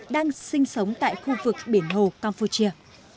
đang sinh sống tại khu vực biển hồ campuchia